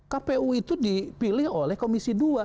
kpu itu dipilih oleh komisi dua